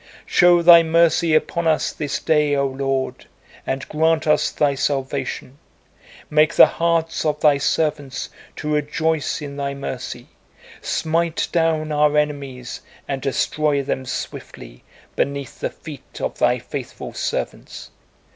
Show Thy mercy upon us this day, O Lord, and grant us Thy salvation; make the hearts of Thy servants to rejoice in Thy mercy; smite down our enemies and destroy them swiftly beneath the feet of Thy faithful servants!